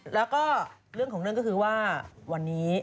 แล้วก็เรื่องของเรื่องก็คือว่าวันนี้